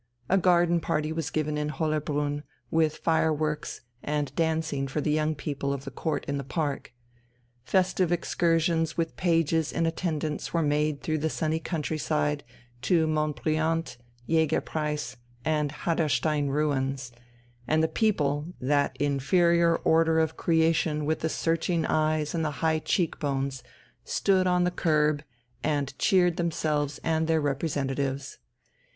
A garden party was given in Hollerbrunn, with fireworks and dancing for the young people of the Court in the park. Festive excursions with pages in attendance were made through the sunny country side to Monbrillant, Jägerpreis, and Haderstein Ruins, and the people, that inferior order of creation with the searching eyes and the high cheek bones, stood on the kerb and cheered themselves and their representatives.